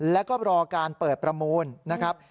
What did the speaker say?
แล้วก็รอการเปิดประมูลนะครับ